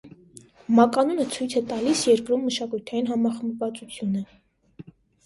Մականունը ցույց է տալի երկրում մշակութային համախմբվածությունը։